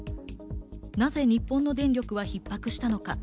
なぜ日本の電力はひっ迫したのか。